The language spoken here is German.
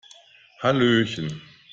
Hallöchen!